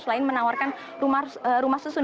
selain menawarkan rumah susun